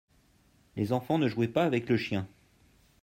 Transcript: les enfants ne jouaient pas avec le chien.